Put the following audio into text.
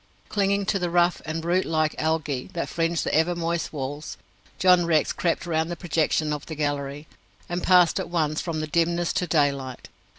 Clinging to the rough and root like algae that fringed the ever moist walls, John Rex crept round the projection of the gallery, and passed at once from dimness to daylight.